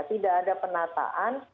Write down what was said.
tidak ada penataan